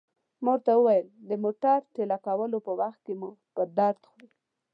ما ورته وویل: د موټر ټېله کولو په وخت کې مو په درد خوري.